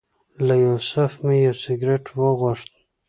له یوسف مې یو سګرټ وغوښت.